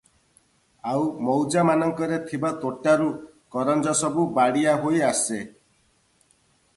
ଆଉ ମୌଜାମାନଙ୍କରେ ଥିବା ତୋଟାରୁ କରଞ୍ଜସବୁ ବାଡ଼ିଆ ହୋଇ ଆସେ ।